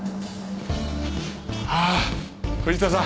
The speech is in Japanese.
ああ藤田さん